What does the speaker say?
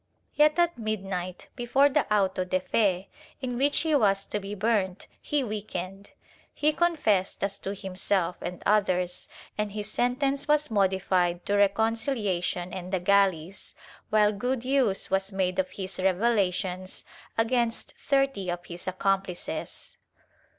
Yet at midnight before the auto de fe, in which he was to be burnt, he weakened. He confessed as to himself and others and his sentence was modified to recon ciUation and the galleys, while good use was made of his reve lations against thirty of his accomplices.